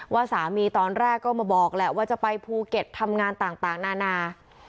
ว่าสามีตอนแรกก็มาบอกแหละว่าจะไปภูเก็ตทำงานต่างนานา